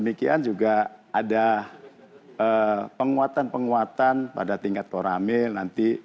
demikian juga ada penguatan penguatan pada tingkat koramil nanti